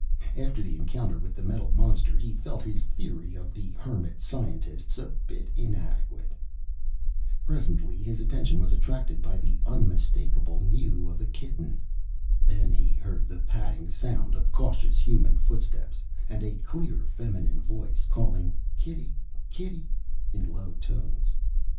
After the encounter with the metal monster, he felt his theory of the hermit scientists a bit inadequate. Presently his attention was attracted by the unmistakable mew of a kitten. Then he heard the padding sound of cautious human footsteps, and a clear feminine voice calling "Kitty, kitty," in low tones.